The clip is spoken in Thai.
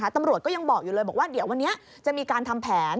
ตำรวจก็ยังบอกอยู่เลยว่าวันนี้จะมีการทำแผน